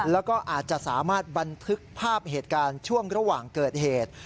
แล้วก็อาจจะสามารถบันทึกภาพเหตุการณ์ช่วงระหว่างเกิดเหตุ